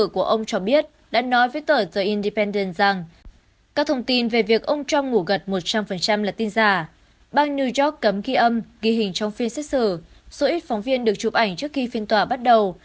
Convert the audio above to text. có ít phóng viên được chụp ảnh trước khi phiên tòa bắt đầu